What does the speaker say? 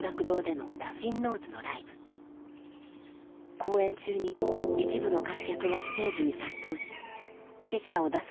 公演中に一部の観客がステージに殺到し死者を出すほどの事故が発生。